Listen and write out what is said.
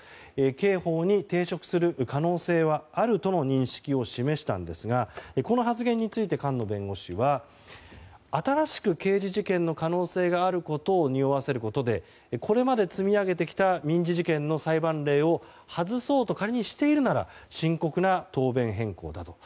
刑法に抵触する可能性はあるとの認識を示したんですがこの発言について菅野弁護士は新しく、刑事事件の可能性があることをにおわせることでこれまで積み上げてきた民事事件の裁判例を外そうと、仮にしているなら深刻な答弁変更だと。